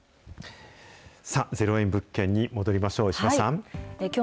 さあ、０円物件に戻りましょう。